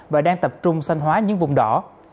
và đang tập trung sanh hóa những vùng đỏ